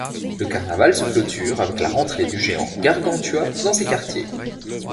Le carnaval se clôture avec la rentrée du géant Gargantua dans ses quartiers.